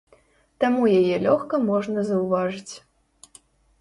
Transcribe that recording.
Таму яе лёгка можна заўважыць.